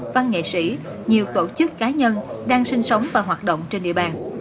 văn nghệ sĩ nhiều tổ chức cá nhân đang sinh sống và hoạt động trên địa bàn